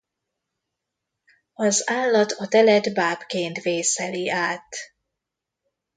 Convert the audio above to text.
Az állat a telet bábként vészeli át.